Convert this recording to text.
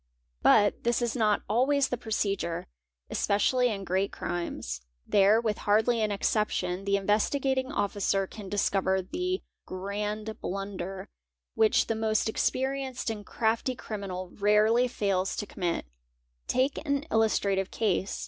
But this is not always the procedure, especially in great crimes; there, with hardly an exception, the Investigating Officer can discover the 'grand blunder'', which the most experienced and crafty criminal rarely fails to commit"), Take an illustrative case.